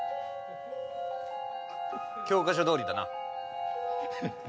教科書どおりだな。